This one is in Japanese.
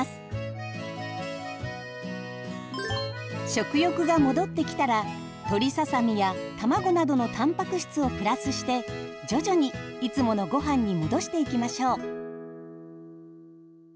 食欲が戻ってきたら鶏ささみや卵などのたんぱく質をプラスして徐々にいつものごはんに戻していきましょう。